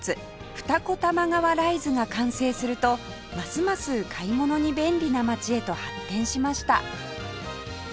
二子玉川ライズが完成するとますます買い物に便利な街へと発展しました